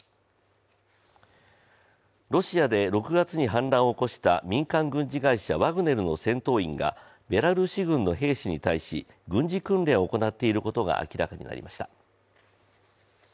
ロシアで６月に反乱を起こした民間軍事会社ワグネルの戦闘員がベラルーシ軍の兵士に対し軍事訓練を行っていることが明らかになりました。